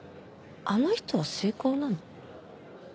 あの人は成功なの？